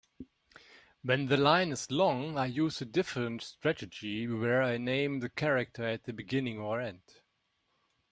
When the line is long, I use a different strategy where I name the character at the beginning or end.